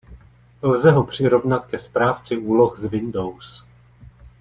Lze ho přirovnat ke Správci úloh z Windows.